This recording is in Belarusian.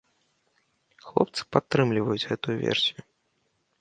Хлопцы падтрымліваюць гэтую версію.